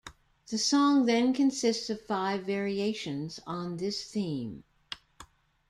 The song then consists of five variations on this theme.